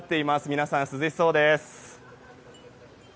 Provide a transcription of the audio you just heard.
皆さん、涼しそうです。